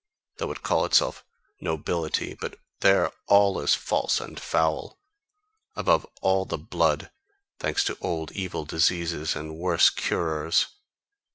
Though it call itself 'nobility.' But there all is false and foul, above all the blood thanks to old evil diseases and worse curers.